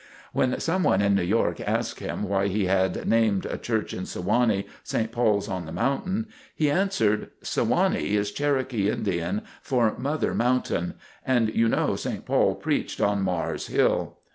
When some one in New York asked him why he had named a Church at Sewanee, "St. Paul's on the Mountain," he answered: "Sewanee is Cherokee Indian for 'Mother Mountain,' and you know St. Paul preached on Mars Hill."